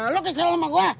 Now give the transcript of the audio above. lu kesal sama gua